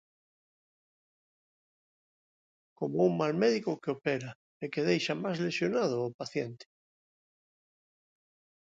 Como un mal médico que opera e que deixa máis lesionado o paciente.